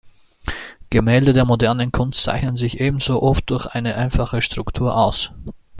Gemälde der modernen Kunst zeichnen sich ebenso oft durch eine einfache Struktur aus.